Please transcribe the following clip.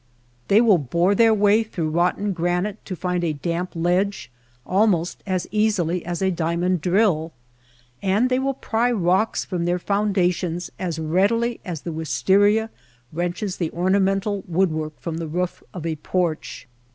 They will bore their way through rotten granite to find a damp ledge almost as easily as a diamond drill ; and they will pry rocks from their foundations as readily as the wistaria wrenches the ornamen tal wood work from the roof of a porch.